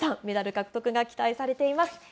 メダル獲得が期待されています。